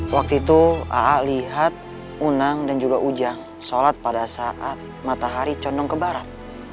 waktu itu aa lihat unang dan juga ujang sholat pada saat matahari condong ke barat